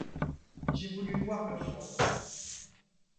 J’ai voulu voir le fond.